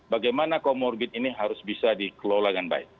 bagaimana comorbid ini harus bisa dikelola dengan baik